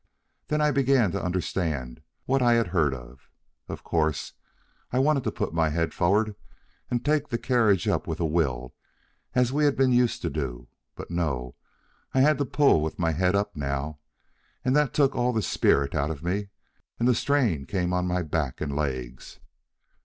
Then I began to understand what I had heard of. Of course, I wanted to put my head forward and take the carriage up with a will as we had been used to do; but no, I had to pull with my head up now, and that took all the spirit out of me, and the strain came on my back and legs.